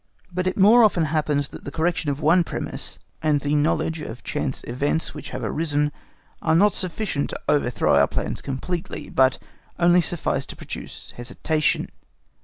But it more often happens that the correction of one premise, and the knowledge of chance events which have arisen, are not sufficient to overthrow our plans completely, but only suffice to produce hesitation.